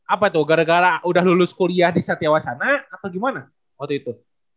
apa itu gara gara udah lulus kuliah di satewacana atau gimana waktu itu